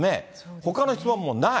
ほかの質問もない。